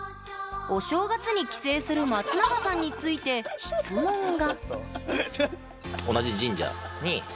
お正月に帰省する松永さんについて質問が。